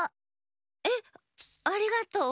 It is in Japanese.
えっありがとう。